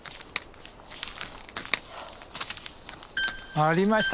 ありました？